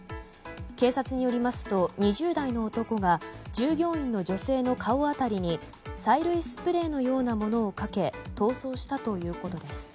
警察によりますと、２０代の男が従業員の女性の顔辺りに催涙スプレーのようなものをかけ逃走したということです。